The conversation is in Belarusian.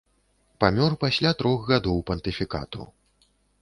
Памёр пасля трох гадоў пантыфікату.